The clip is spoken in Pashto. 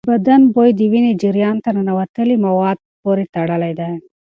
د بدن بوی د وینې جریان ته ننوتلي مواد پورې تړلی دی.